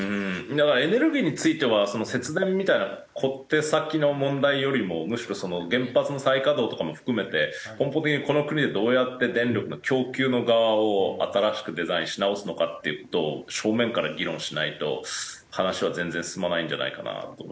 だからエネルギーについては節電みたいな小手先の問題よりもむしろその原発の再稼働とかも含めて根本的にこの国でどうやって電力の供給の側を新しくデザインし直すのかっていう事を正面から議論しないと話は全然進まないんじゃないかなと思いますよね。